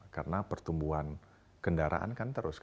karena pertumbuhan kendaraan kan terus